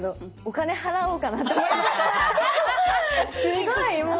すごいもう。